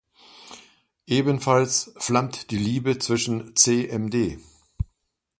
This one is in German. Ebenfalls flammt die Liebe zwischen Cmd.